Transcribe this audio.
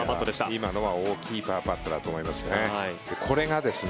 今のは大きいパーパットだと思います。